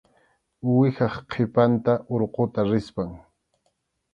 Uwihap qhipanta urquta rispam.